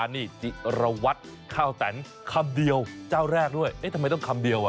นี่จิรวัตรข้าวแตนคำเดียวเจ้าแรกด้วยเอ๊ะทำไมต้องคำเดียวอ่ะ